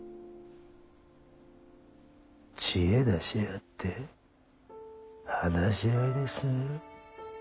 知恵出し合って話し合いで進める？